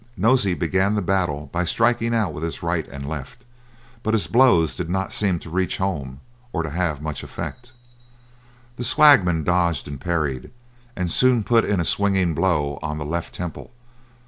Nosey began the battle by striking out with his right and left, but his blows did not seem to reach home, or to have much effect. The swagman dodged and parried, and soon put in a swinging blow on the left temple.